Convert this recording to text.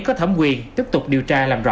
có thẩm quyền tiếp tục điều tra làm rõ